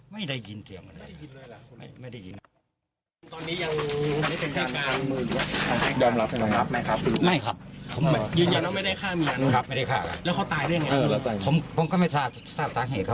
ไม่ได้ยินเถียงกันเลย